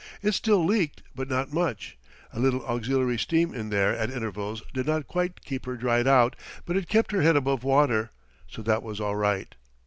It still leaked, but not much a little auxiliary steam in there at intervals did not quite keep her dried out, but it kept her head above water, so that was all right.